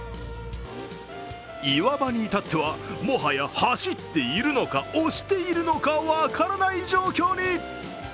岩場にいたっては、もはや走っているのか押しているのか分からない状況に。